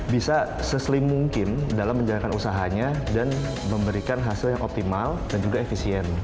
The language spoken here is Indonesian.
bisa seseling mungkin dalam menjalankan usahanya dan memberikan hasil yang optimal dan juga efisien